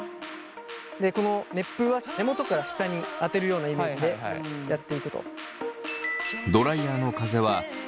この熱風は根元から下に当てるようなイメージでやっていくと。